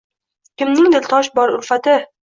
Kimning dildosh bor ulfati